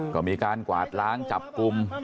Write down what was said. ก็มีการกวาดล้างจับกลุ่ม